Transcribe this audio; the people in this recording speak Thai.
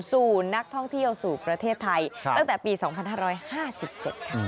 สู่นักท่องเที่ยวสู่ประเทศไทยตั้งแต่ปี๒๕๕๗ค่ะ